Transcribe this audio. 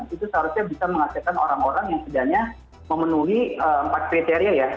itu seharusnya bisa menghasilkan orang orang yang sebenarnya memenuhi empat kriteria ya